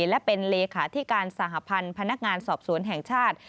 และเป็นเลขาธิการสหพันธ์พนักงานสอบสวนแห่งชาติ